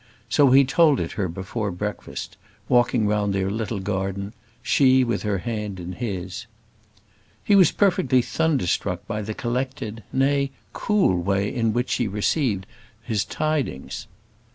So he told it her before breakfast, walking round their little garden, she with her hand in his. He was perfectly thunderstruck by the collected nay, cool way in which she received his tidings.